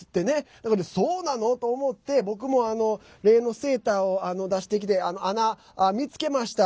だから、そうなの！？と思って僕も家のセーターを出してきて穴、見つけました。